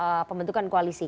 dalam pembentukan koalisi